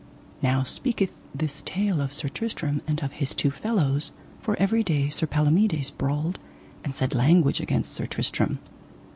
Now speaketh this tale of Sir Tristram and of his two fellows, for every day Sir Palomides brawled and said language against Sir Tristram.